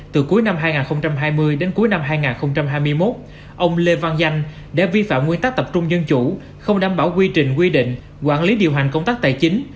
từ cuối năm hai nghìn hai mươi đến cuối năm hai nghìn hai mươi một ông lê văn danh đã vi phạm nguyên tắc tập trung dân chủ không đảm bảo quy trình quy định quản lý điều hành công tác tài chính